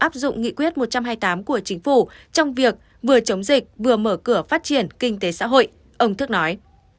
áp dụng nghị quyết một trăm hai mươi tám của chính phủ trong việc vừa chống dịch vừa mở cửa phát triển kinh tế xã hội ông thức nói